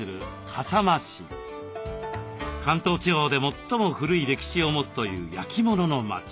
関東地方で最も古い歴史を持つという焼き物の町。